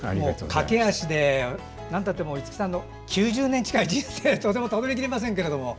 駆け足で五木さんの９０年近い人生はとてもたどりきれませんけれども。